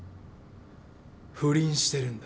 不倫してるんだ。